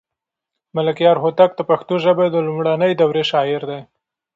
ملکیار هوتک د پښتو ژبې د لومړنۍ دورې شاعر دی.